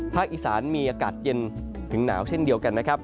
ภาคอีสานมีอากาศเย็นถึงหนาวเช่นเดียวกัน